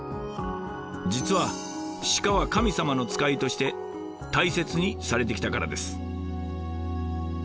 実は鹿は神様の使いとして大切にされてきたからです。